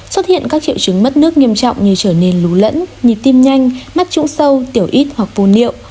xuất hiện các triệu chứng mất nước nghiêm trọng như trở nên lún lẫn nhịp tim nhanh mắt trũng sâu tiểu ít hoặc vô niệm